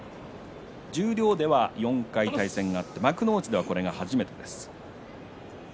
十両では４回対戦があって幕内ではこれが初めてです。